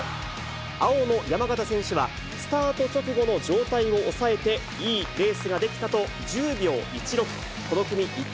青の山縣選手は、スタート直後の上体を抑えて、いいレースができたと１０秒１６。